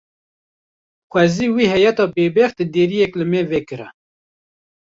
Xwezî vê heyata bêbext deriyek li me vekira.